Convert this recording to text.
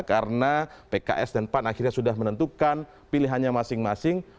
karena pks dan pan akhirnya sudah menentukan pilihannya masing masing